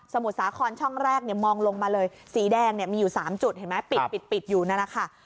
สมุดสาครช่องแรกมองลงมาเลยสีแดงมีอยู่๓จุดปิดอยู่นั่นนะคะ